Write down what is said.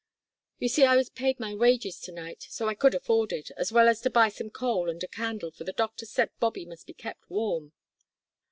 "You see I was paid my wages to night, so I could afford it, as well as to buy some coal and a candle, for the doctor said Bobby must be kept warm."